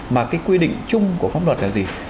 mà cái quy định chung của pháp luật là gì